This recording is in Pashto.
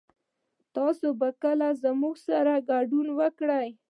تاسو به کله موږ سره ګډون وکړئ